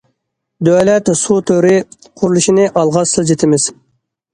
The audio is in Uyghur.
دۆلەت سۇ تورى قۇرۇلۇشىنى ئالغا سىلجىتىمىز.